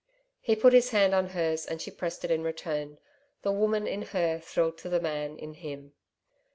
He put his hand on hers and she pressed it in return. The Woman in her thrilled to the Man in him.